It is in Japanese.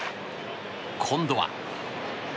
今度は。